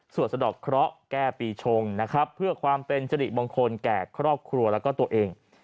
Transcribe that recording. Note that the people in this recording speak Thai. สะดอกเคราะห์แก้ปีชงนะครับเพื่อความเป็นจริมงคลแก่ครอบครัวแล้วก็ตัวเอง